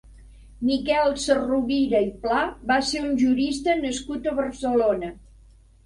Miquel Sarrovira i Pla va ser un jurista nascut a Barcelona.